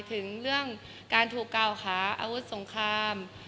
ถึงเรื่องการถูกกล่าวหาอาวุธสงคราม